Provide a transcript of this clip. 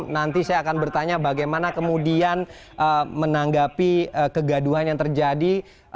nanti saya akan bertanya bagaimana kemudian menanggapi kegaduhan yang terjadi